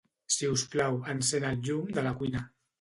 Si us plau, encén el llum de la cuina.